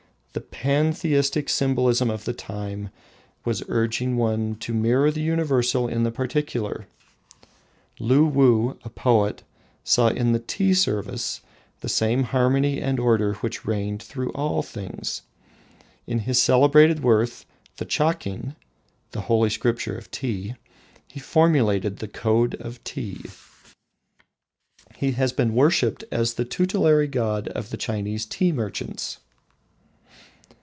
The pantheistic symbolism of the time was urging one to mirror the Universal in the Particular. Luwuh, a poet, saw in the Tea service the same harmony and order which reigned through all things. In his celebrated work, the "Chaking" (The Holy Scripture of Tea) he formulated the Code of Tea. He has since been worshipped as the tutelary god of the Chinese tea merchants.